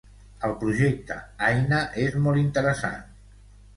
El projecte Aina és molt interessant.